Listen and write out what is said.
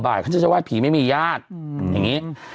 อ่อบ่ายเขาจะไหว้ผีแม่มีญาติอย่างนี้